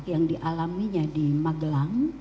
yang dialaminya di magadang